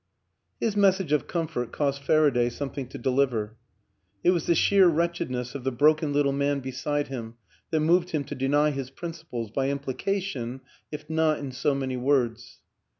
His message of comfort cost Farc.ch.y some thing to deliver; it was the sheer wretchedness of the broken little man beside him that moved him to deny his principles, by implication if not in so many words.